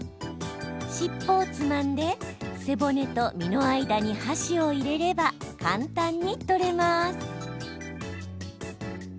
尻尾をつまんで背骨と身の間に箸を入れれば簡単に取れます。